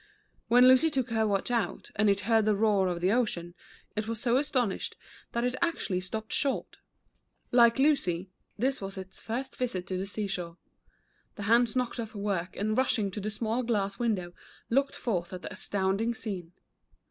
When Lucy took her watch out, and it heard the roar of the ocean, it was so astonished that it actually stopped short. Like Lucy, this was its 1 1 4 The Runaway Watch. first visit to the seashore. The hands knocked off work, and rushing to the small glass window, looked forth at the astounding scene.